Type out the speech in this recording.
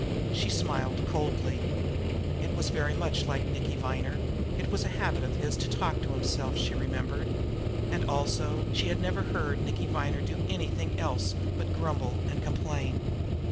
She smiled coldly. It was very like Nicky Viner it was a habit of his to talk to himself, she remembered. And, also, she had never heard Nicky Viner do anything else but grumble and complain.